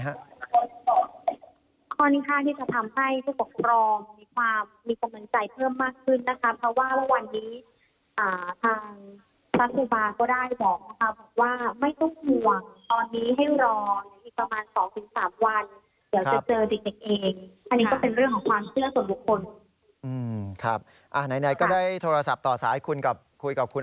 ข้อนี้ค่ะที่จะทำให้ผู้ปกครองมีความมีกำลังใจเพิ่มมากขึ้น